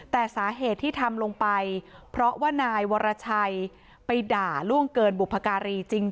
แต่สาเหตุที่ทำลงไปเพราะว่านายวรชัยไปด่าล่วงเกินบุพการีจริง